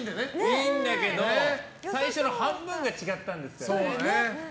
いいんだけど最初の半分が違ったんですよね。